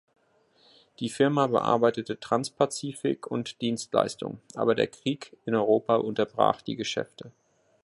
Die Firma bearbeitete Trans-Pazifik- und „“-Dienstleistungen, aber der Krieg in Europa unterbrach die Geschäfte.